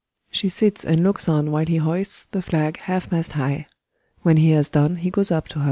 [She sits and looks on while he hoists the flag half mast high. When he has done he goes up to her.